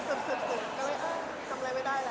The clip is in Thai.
ก็เลยทำอะไรไม่ได้แล้ว